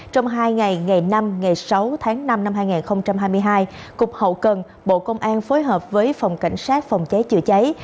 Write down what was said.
trong hai ngày ngày năm ngày sáu tháng năm năm hai nghìn hai mươi hai cục hậu cần bộ công an phối hợp với phòng cảnh sát phòng cháy chữa cháy